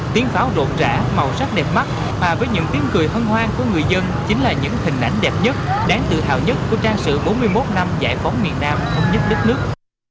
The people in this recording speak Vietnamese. tiếng pháo rộn rã màu sắc đẹp mắt mà với những tiếng cười hân hoan của người dân chính là những hình ảnh đẹp nhất đáng tự hào nhất của trang sử bốn mươi một năm giải phóng miền nam thống nhất đất nước